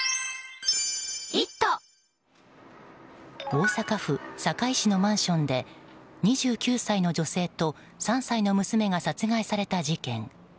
大阪府堺市のマンションで２９歳の女性と３歳の娘が殺害された事件。